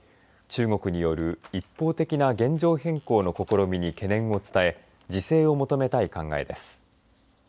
中国による一方的な現状変更の試みに懸念を伝え自制を求めたい考えです。